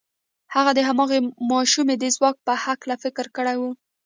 هغه د هماغې ماشومې د ځواک په هکله فکر کړی و.